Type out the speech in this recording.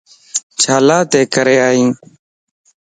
ڇيلاتي ڪري ايي؟